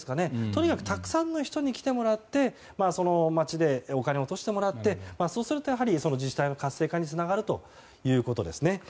とにかくたくさんの人に来てもらってその街でお金を落としてもらってそうすると、自治体の活性化につながるということですね。